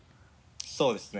そうですね。